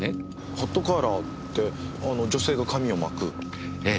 ホットカーラーってあの女性が髪を巻く？ええええ。